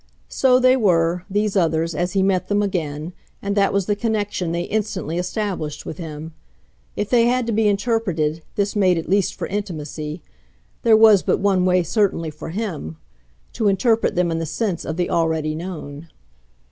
So they were, these others, as he met them again, and that was the connection they instantly established with him. If they had to be interpreted, this made at least for intimacy. There was but one way certainly for HIM to interpret them in the sense of the already known.